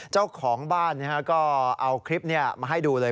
เจ้าของบ้านก็เอาคลิปมาให้ดูเลย